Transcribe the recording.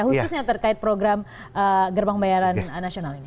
khususnya terkait program gerbang pembayaran nasional ini